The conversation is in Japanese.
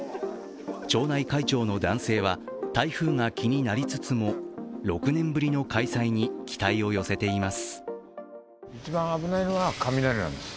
町内会長の男性は台風が気になりつつも６年ぶりの開催に期待を寄せています。